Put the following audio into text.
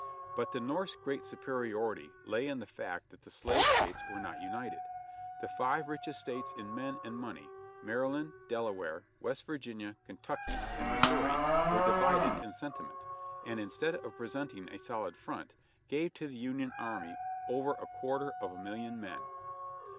But the North's great superiority lay in the fact that the Slave States were not united. The five richest States in men and money, Maryland, Delaware, West Virginia, Kentucky and Mis souri were divided in sentiment, and instead of presenting a solid front, gave to the Union Army over a quarter of a million men.